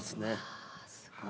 わすごい。